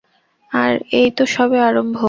আর এই তো সবে আরম্ভ।